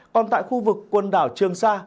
còn tại khu vực quân đảo trương sa